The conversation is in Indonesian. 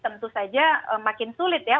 tentu saja makin sulit ya